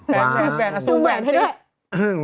แหวนสูงแหวนให้ด้วย